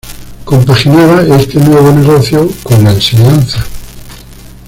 Compaginaba este nuevo negocio con la enseñanza.